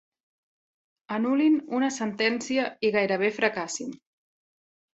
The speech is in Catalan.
Anul·lin una sentència i gairebé fracassin.